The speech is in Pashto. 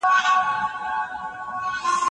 سیاست هم له دې علم سره تړلی دی.